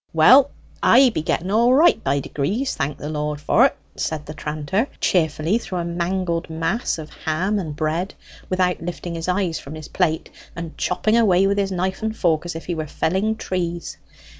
"Well, I be getting all right by degrees, thank the Lord for't!" said the tranter cheerfully through a mangled mass of ham and bread, without lifting his eyes from his plate, and chopping away with his knife and fork as if he were felling trees.